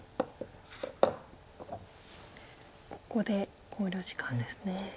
ここで考慮時間ですね。